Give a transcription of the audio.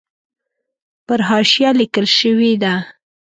پر حاشیه لیکل شوې ده.